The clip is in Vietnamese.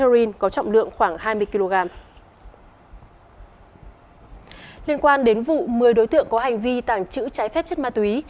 liên quan đến vụ một mươi đối tượng có hành vi tàng trữ trái phép chất ma túy